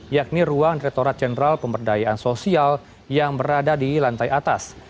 yakni ruang direkturat jenderal pemberdayaan sosial yang berada di lantai atas